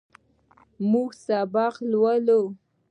موږ سبق لولو.